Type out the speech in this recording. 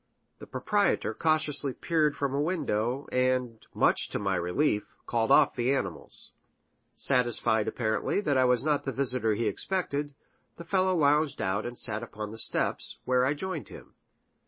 The proprietor cautiously peered from a window, and, much to my relief, called off the animals. Satisfied, apparently, that I was not the visitor he expected, the fellow lounged out and sat upon the steps, where I joined him.